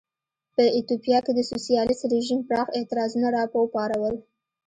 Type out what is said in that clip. په ایتوپیا کې د سوسیالېست رژیم پراخ اعتراضونه را وپارول.